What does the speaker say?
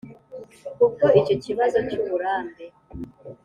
kubwo icyo kibazo cy’uburambe